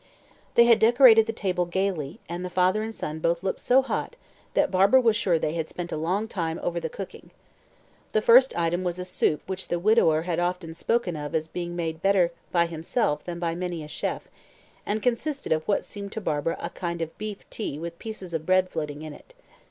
They had decorated the table gaily, and the father and son both looked so hot, that Barbara was sure they had spent a long time over the cooking. The first item was a soup which the widower had often spoken of as being made better by himself than by many a chef, and consisted of what seemed to Barbara a kind of beef tea with pieces of bread floating in it.